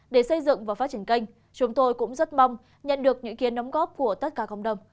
để xây dựng và phát triển kênh chúng tôi cũng rất mong nhận được những kiến đóng góp của tất cả cộng đồng